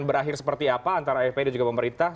berakhir seperti apa antara fpi dan juga pemerintah